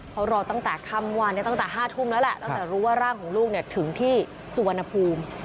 เขารอตั้งแต่ค่ำวันนี้ตั้งแต่๕ทุ่มแล้วแหละตั้งแต่รู้ว่าร่างของลูกถึงที่สุวรรณภูมิ